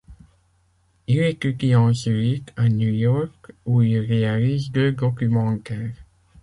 Il étudie ensuite à New York où il réalise deux documentaires.